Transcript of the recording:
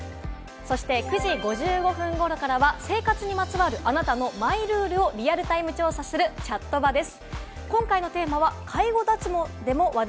９時５５分頃からは生活にまつわるあなたのマイルールをリアルタイム調査する「チャットバ」です。